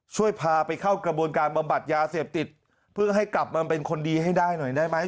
ช่วยพาไปเข้ากระบวนการบำบัดยาเสพติดเพื่อให้กลับมาเป็นคนดีให้ได้หน่อยได้ไหม